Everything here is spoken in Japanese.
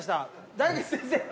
大吉先生。